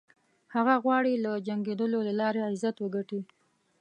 هغه غواړي له جنګېدلو له لارې عزت وګټي.